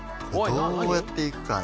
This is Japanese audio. どうやっていくかね？